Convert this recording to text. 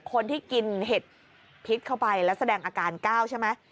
คนที่กินเห็ดพิษเข้าไปแล้วแสดงอาการก้าวใช่ไหม